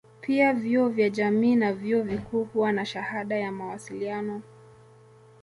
Pia vyuo vya jamii na vyuo vikuu huwa na shahada ya mawasiliano.